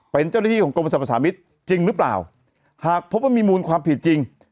เป็นเจ้าหน้าที่ของกรมสรรพสามิตรจริงหรือเปล่าหากพบว่ามีมูลความผิดจริง